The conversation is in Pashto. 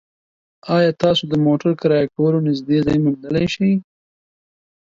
ایا تاسو د موټر کرایه کولو نږدې ځای موندلی شئ؟